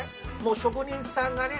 職人さんがね。